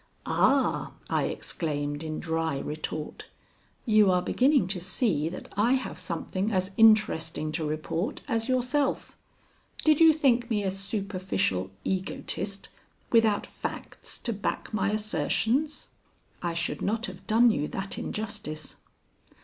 "Ah," I exclaimed in dry retort; "you are beginning to see that I have something as interesting to report as yourself. Did you think me a superficial egotist, without facts to back my assertions?" "I should not have done you that injustice."